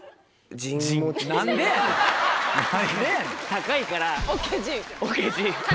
高いから。